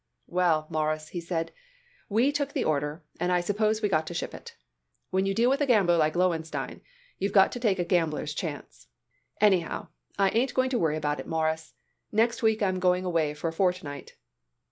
"Well, Mawruss," he said, "we took the order and I suppose we got to ship it. When you deal with a gambler like Lowenstein you got to take a gambler's chance. Anyhow, I ain't going to worry about it, Mawruss. Next week I'm going away for a fortnight."